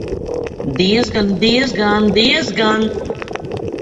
Diezgan, diezgan, diezgan!